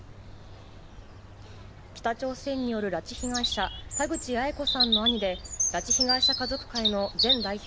北朝鮮による拉致被害者田口八重子さんの兄で拉致被害者家族会の前代表